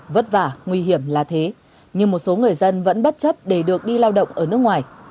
vất vả nguy hiểm là thế nhưng một số người dân vẫn bất chấp để được đi lao động ở nước ngoài